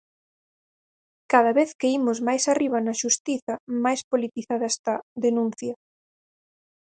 Cada vez que imos máis arriba na xustiza, máis politizada está, denuncia.